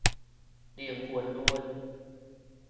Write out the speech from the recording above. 靈魂論